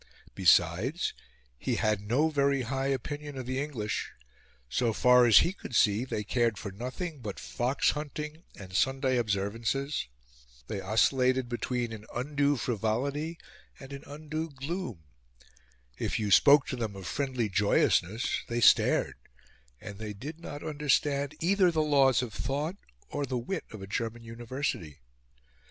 Besides, he had no very high opinion of the English. So far as he could see, they cared for nothing but fox hunting and Sunday observances; they oscillated between an undue frivolity and an undue gloom; if you spoke to them of friendly joyousness they stared; and they did not understand either the Laws of Thought or the wit of a German University.